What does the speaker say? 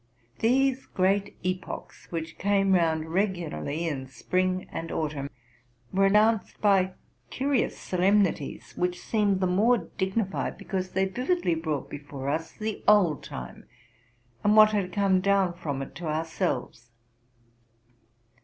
These great epochs, which came round regularly in spring and autumn, were announced by curious solemnities, which seemed the more dignified because they vividly brought 20 TRUTH AND FICTION before us the old time, and what had come down from it to ourselves.